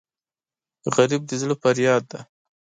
غریب د زړه فریاد دی